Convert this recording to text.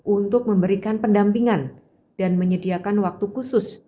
untuk memberikan pendampingan dan menyediakan waktu khusus